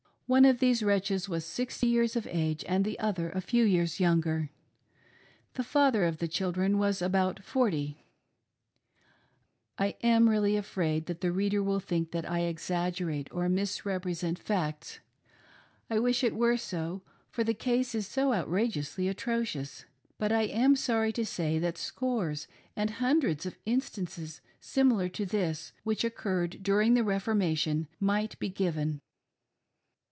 One of these wretches was sixty years of age, and the other a few years younger. The father of the children was about forty, I am really afraid that the reader will think that I exaggerate or misrepresent facts. I wish it were so, for the case is so outrageously atrocious ; but I am sorry to say that scores and hundreds of instances similar to this, which occurred during the Reformation, might be given.